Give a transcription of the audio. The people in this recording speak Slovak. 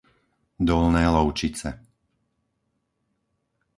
Dolné Lovčice